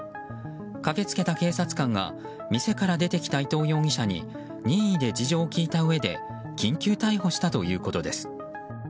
駆け付けた警察官が店から出てきた伊藤容疑者に任意で事情を聴いたうえで緊急逮捕したということです。